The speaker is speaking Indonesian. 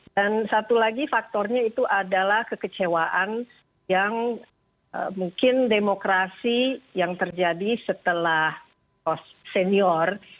dan satu lagi faktornya itu adalah kekecewaan yang mungkin demokrasi yang terjadi setelah marcos senior